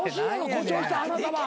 誇張した花束。